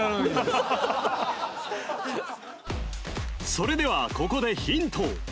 それではここでヒント